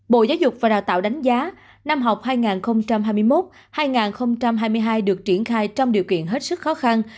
bộ giáo dục và đào tạo đánh giá năm học hai nghìn hai mươi một hai nghìn hai mươi hai được triển khai trong điều kiện hết sức khó khăn